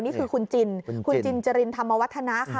นี่คือคุณจินคุณจินจรินธรรมวัฒนาค่ะ